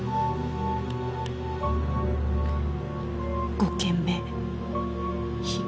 「５件目火」